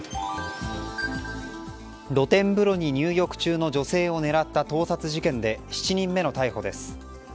露天風呂に入浴中の女性を狙った盗撮事件で７人目の逮捕です。